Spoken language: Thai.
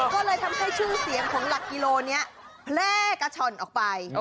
ก็เลยทำให้ชื่อเสียงของหลักกิโลนี้แพร่กระช่อนออกไป